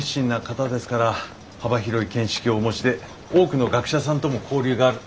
幅広い見識をお持ちで多くの学者さんとも交流がある。